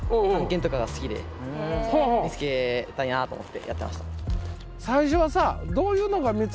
見つけたいなと思ってやってました。